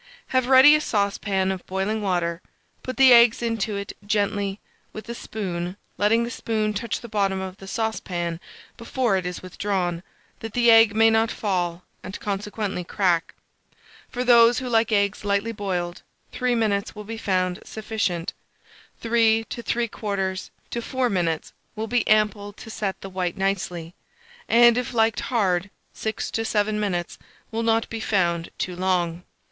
Have ready a saucepan of boiling water; put the eggs into it gently with a spoon, letting the spoon touch the bottom of the saucepan before it is withdrawn, that the egg may not fall, and consequently crack. For those who like eggs lightly boiled, 3 minutes will be found sufficient; 3 3/4 to 4 minutes will be ample time to set the white nicely; and, if liked hard, 6 to 7 minutes will not be found too long.